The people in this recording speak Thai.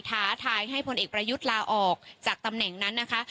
ท้าทายให้พลเอกประยุทธ์ลาออกจากตำแหน่งนั้นนะคะ